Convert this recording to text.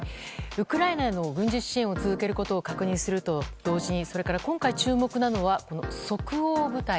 ウクライナへの軍事支援を続けることを確認すると同時にそれから今回注目なのは即応部隊。